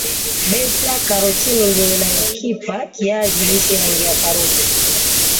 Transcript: beta karotini ndio inayokipa kiazi lishe rangi ya karoti